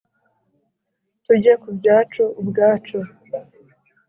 tujye ku byacu ubwacu